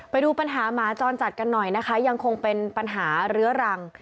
ไปดูปัญหาหมาจรจัดกันหน่อยนะคะยังคงเป็นปัญหาเรื้อรัง